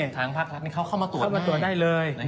ทางภาครัฐเขาเข้ามาตรวจได้เลย